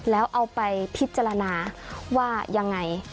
แล้วเอาไปพิจารณาว่ายังไง